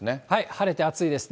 晴れて暑いです。